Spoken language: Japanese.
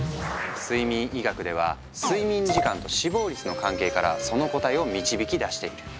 睡眠医学では睡眠時間と死亡率の関係からその答えを導き出している。